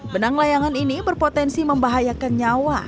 benang layangan ini berpotensi membahayakan nyawa